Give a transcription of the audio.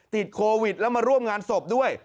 ติดโควิดแล้วมาร่วมงานศพด้วย